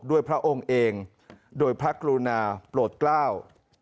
พระองค์เองโดยพระกรุณาโปรดกล้า